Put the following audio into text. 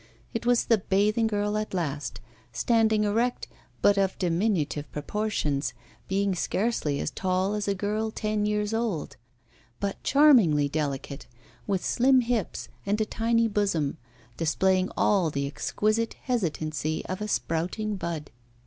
It was the bathing girl at last, standing erect, but of diminutive proportions, being scarcely as tall as a girl ten years old, but charmingly delicate with slim hips and a tiny bosom, displaying all the exquisite hesitancy of a sprouting bud.